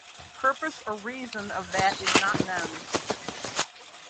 Purpose or reason of that is not known.